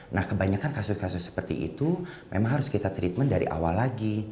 nah kebanyakan kasus kasus seperti itu memang harus kita treatment dari awal lagi